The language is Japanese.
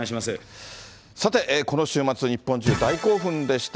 さて、この週末、日本中、大興奮でした。